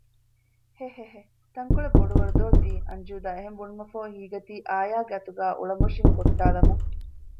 ހެހެހެ ތަންކޮޅެއް ބޮޑުވަރު ދޯ ތީ އަންޖޫދާ އެހެން ބުނުމަށްފަހު ހީގަތީ އާޔާގެ އަތުގައި އުޅަނބޮށިން ކޮށްޓާލަމުން